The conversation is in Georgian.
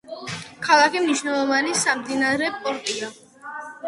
ქალაქი მნიშვნელოვანი სამდინარე პორტია.